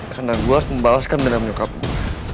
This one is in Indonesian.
karena gue harus membalaskan dendam nyokap gue